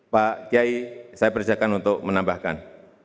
pak gyei saya berjanjikan untuk menambahkan